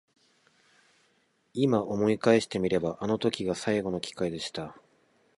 今思い返してみればあの時が最後の機会でした。